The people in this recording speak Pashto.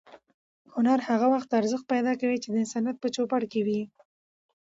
هنر هغه وخت ارزښت پیدا کوي چې د انسانیت په چوپړ کې وي.